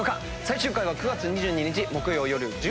最終回は９月２２日木曜夜１０時。